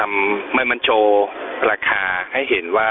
มันเจอราคาให้เห็นว่า